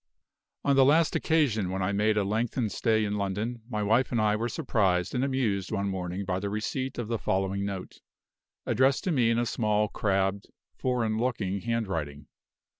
On the last occasion when I made a lengthened stay in London, my wife and I were surprised and amused one morning by the receipt of the following note, addressed to me in a small, crabbed, foreign looking handwriting.